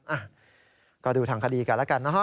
อ่ะก็ดูทางคดีกันแล้วกันนะฮะ